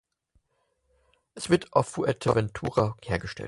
Er wird auf Fuerteventura hergestellt.